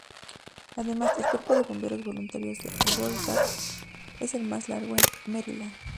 Además, el cuerpo de bomberos voluntarios de Waldorf es el más largo en Maryland.